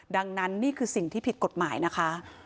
ดังนั้นนี่คือสิ่งที่ผิดกฎหมายนะคะ